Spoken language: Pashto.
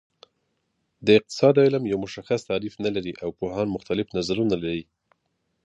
د اقتصاد علم یو مشخص تعریف نلري او پوهان مختلف نظرونه لري